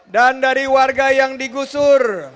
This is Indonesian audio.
dan dari warga yang digusur